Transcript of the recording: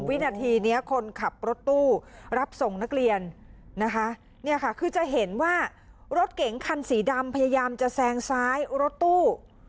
วินาทีนี้คนขับรถตู้รับส่งนักเรียนนะคะเนี่ยค่ะคือจะเห็นว่ารถเก๋งคันสีดำพยายามจะแซงซ้ายรถตู้